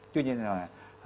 tuy nhiên là này